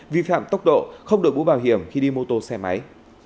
vi phạm tốc độ không được bũ bảo hiểm khi đi mô tô xe máy